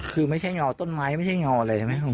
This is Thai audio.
คือไม่ใช่เงาต้นไม้ไม่ใช่เงาอะไรใช่ไหม